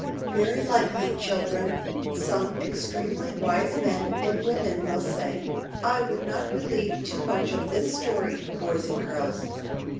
Very likely, children, some extremely wise men and women will say, "I would not believe too much of this story, boys and girls."